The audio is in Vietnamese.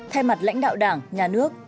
thay mặt lãnh đạo đảng nhà nước